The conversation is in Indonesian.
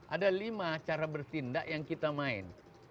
ada lima cara bertindak yang kita main